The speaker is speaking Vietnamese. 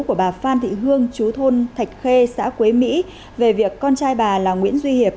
của bà phan thị hương chú thôn thạch khê xã quế mỹ về việc con trai bà là nguyễn duy hiệp